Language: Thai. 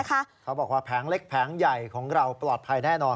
เขาบอกว่าแผงเล็กแผงใหญ่ของเราปลอดภัยแน่นอน